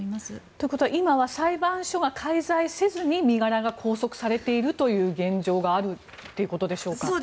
ということは今は裁判所が介在せずに身柄が拘束されているという現状があるということでしょうか。